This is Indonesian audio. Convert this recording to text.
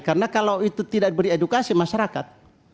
karena kalau itu tidak diberi edukasi masyarakat